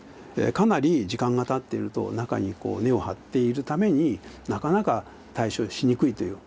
かなり時間がたってると中に根を張っているためになかなか対処しにくいという。